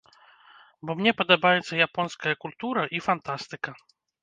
Бо мне падабаецца японская культура і фантастыка.